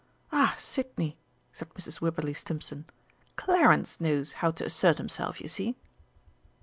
"Ah, Sidney," said Mrs. Wibberley Stimpson, "Clarence knows how to assert himself, you see!"